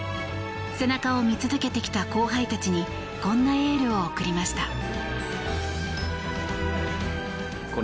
背中を見続けてきた後輩たちにこんなエールを送りました。